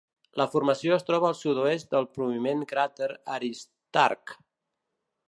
La formació es troba al sud-oest del prominent cràter Aristarc.